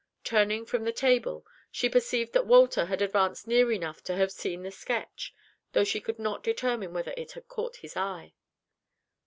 Turning from the table, she perceived that Walter had advanced near enough to have seen the sketch, though she could not determine whether it had caught his eye.